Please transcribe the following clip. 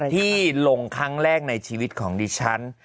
ที่ลงครั้งแรกในชีวิตของดิฉัน